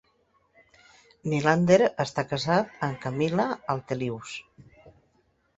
Nylander està casat amb Camilla Altelius.